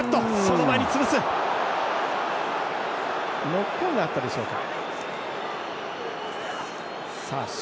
ノックオンがあったでしょうか。